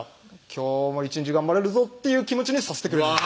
今日も一日頑張れるぞっていう気持ちにさせてくれるうわ